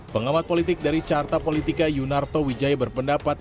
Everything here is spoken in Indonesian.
pengamat politik dari carta politika yunarto wijaya berpendapat